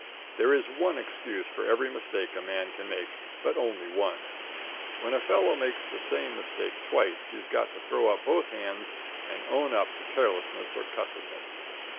There is one excuse for every mistake a man can make, but only one. When a fellow makes the same mistake twice he's got to throw up both hands and own up to carelessness or cussedness.